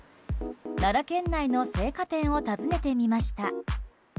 奈良県内の青果店を訪ねてみました。